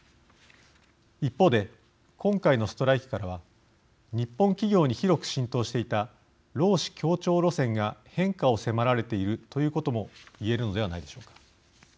一方で、今回のストライキからは日本企業に広く浸透していた労使協調路線が変化を迫られているということも言えるのではないでしょうか。